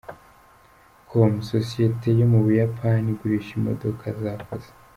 com”, sosiyete yo mu Buyapani igurisha imodoka zakoze.